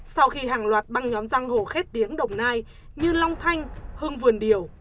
sau khi hàng loạt băng nhóm giang hồ khét tiếng đồng nai như long thanh hưng vườn điều